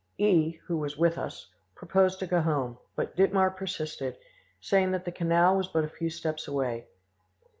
E., who was with us, proposed to go home, but Dittmar persisted, saying that the canal was but a few steps away.